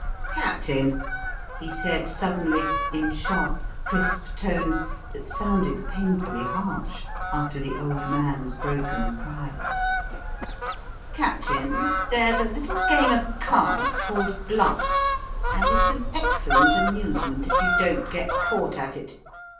"Captain," he said suddenly, in sharp, crisp tones, that sounded painfully harsh after the old man's broken cries, "Captain, there's a little game of cards called 'Bluff,' and it's an excellent amusement if you don't get caught at it.